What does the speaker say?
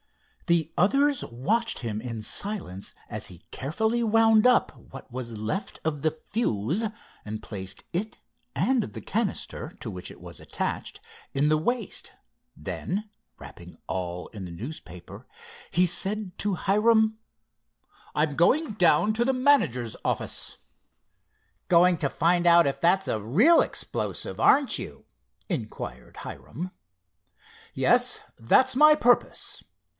The others watched him in silence as he carefully wound up what was left of the fuse, and placed it and the canister, to which it was attached, in the waste then, wrapping all in the newspaper, he said to Hiram: "I'm going down to the manager's office." "Going to find out if that's a real explosive; aren't you?" inquired Hiram. "Yes, that's my purpose.